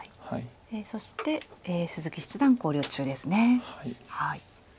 そして鈴木七段考慮中ですね。